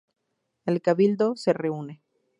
El Cabildo se reúne.